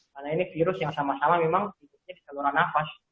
karena ini virus yang sama sama memang ditutupi di saluran nafas